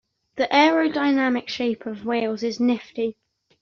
The aerodynamic shape of whales is nifty.